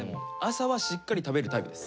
朝はしっかり食べるタイプです。